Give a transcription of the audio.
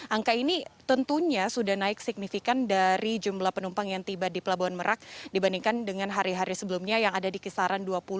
angka ini tentunya sudah naik signifikan dari jumlah penumpang yang tiba di pelabuhan merak dibandingkan dengan hari hari sebelumnya yang ada di kisaran dua puluh